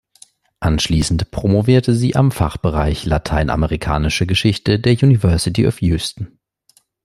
Anschließend promovierte sie am Fachbereich Lateinamerikanische Geschichte der University of Houston.